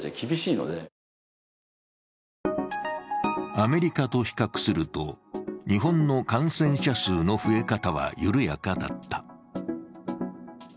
アメリカと比較すると日本の感染者数の増え方は緩やかだった。